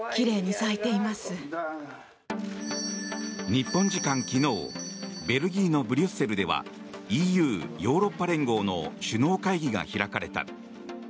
日本時間昨日ベルギーのブリュッセルではＥＵ・ヨーロッパ連合の首脳会議が開かれた。